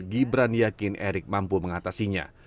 gibran yakin erick mampu mengatasinya